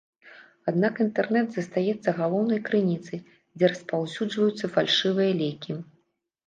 Аднак інтэрнэт застаецца галоўнай крыніцай, дзе распаўсюджваюцца фальшывыя лекі.